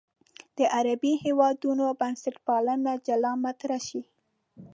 د عربي هېوادونو بنسټپالنه جلا مطرح شي.